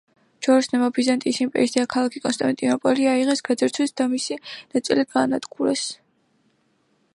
ჯვაროსნებმა ბიზანტიის იმპერიის დედაქალაქი კონსტანტინოპოლი აიღეს, გაძარცვეს და მისი ნაწილი გაანადგურეს.